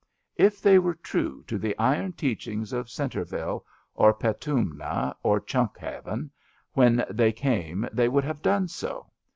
If they were true to the iron teachings of Centre ville or Petimma or Chunkhaven, when they came they would have done so.